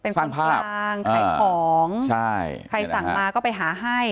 เป็นคนพลางใครของใครสั่งมาก็ไปหาให้